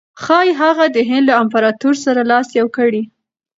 ښایي هغه د هند له امپراطور سره لاس یو کړي.